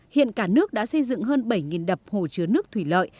hiện cả nước đã xây dựng hơn bảy đập hồ chứa nước thủy lợi